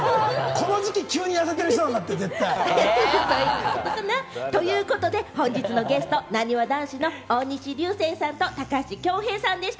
この時期、急に痩せている人だって。ということで、本日のゲスト・なにわ男子の大西流星さんと高橋恭平さんでした。